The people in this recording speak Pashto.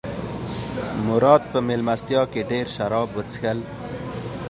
مراد په مېلمستیا کې ډېر شراب وڅښل.